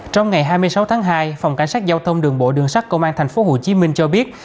trong ngày hai mươi sáu tháng hai phòng cảnh sát giao thông đường bộ đường sát công an thành phố hồ chí minh cho biết